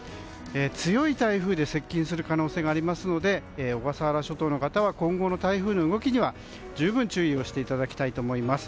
強い台風で接近する可能性がありますので小笠原諸島の方は今後の台風の動きには十分、注意をしていただきたいと思います。